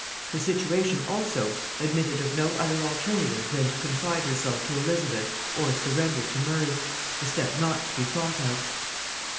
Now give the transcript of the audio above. Her situation, also, admitted of no other alternative than to confide herself to Elizabeth or surrender to Murray, a step not to be thought of.